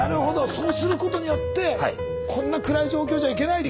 そうすることによってこんな暗い状況じゃいけないと。